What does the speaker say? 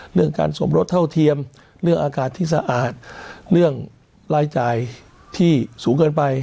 เรื่องการสมรสเท่าเทียมเรื่องอากาศที่สะอาดเรื่องรายจ่ายที่สูงเกินไป